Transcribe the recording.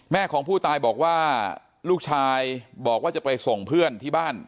แม่ของผู้ตายบอกว่าลูกชายบอกว่าจะไปส่งเพื่อนที่บ้าน